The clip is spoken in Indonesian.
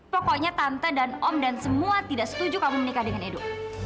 pokoknya tante dan om dan semua tidak setuju kamu menikah dengan edo